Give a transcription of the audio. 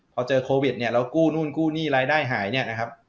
พอเจอโควิดเนี่ยเรากู้นู่นกู้หนี้รายได้หายเนี่ยนะครับ